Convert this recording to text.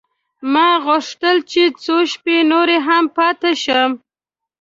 ما غوښتل چې څو شپې نور هم پاته شم.